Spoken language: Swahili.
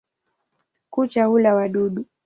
Kucha hula wadudu.